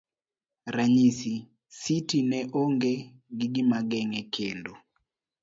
ranyisi. Siti ne onge gi gimageng'e kendo